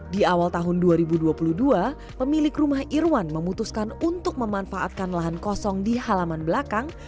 di awal tahun dua ribu dua puluh dua pemilik rumah irwan memutuskan untuk memanfaatkan lahan kosong di halaman belakang